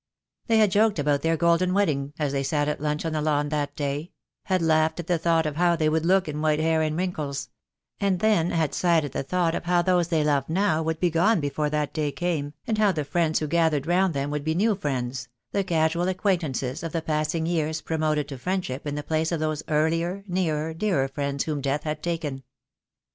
They had joked about their golden wedding as they sat at lunch on the lawn that day; had laughed at the thought of how they would look in white hair and wrinkles, and then had sighed at the thought of how those they loved now would be gone be fore that day came, and how the friends who gathered round them would be new friends, the casual acquain tances of the passing years promoted to friendship in the place of those earlier, nearer, dearer friends whom death had taken.